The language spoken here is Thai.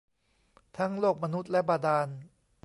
ทั้งโลกมนุษย์และบาดาล